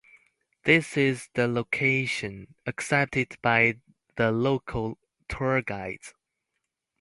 This is the location accepted by the local tour guides.